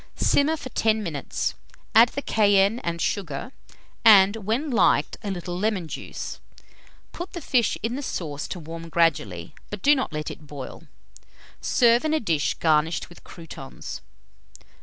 Simmer for 10 minutes, add the cayenne and sugar, and, when liked, a little lemon juice. Put the fish in the sauce to warm gradually, but do not let it boil. Serve in a dish garnished with croûtons.